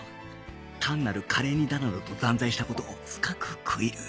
単なるカレー煮だなどと断罪した事を深く悔いる